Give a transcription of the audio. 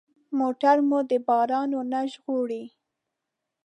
موټر مو د باران نه ژغوري.